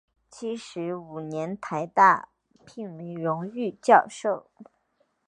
七十五年台大聘为荣誉教授。